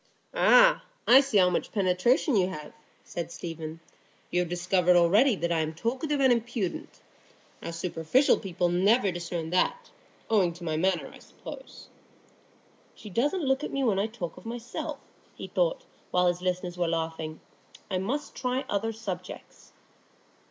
"Ah, I see how much penetration you have," said Stephen. "You have discovered already that I am talkative and impudent. Now superficial people never discern that, owing to my manner, I suppose." "She doesn't look at me when I talk of myself," he thought, while his listeners were laughing. "I must try other subjects."